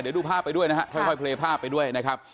เดี๋ยวดูภาพไปด้วยนะครับ